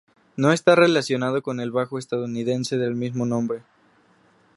No está relacionado con el bajo estadounidense del mismo nombre.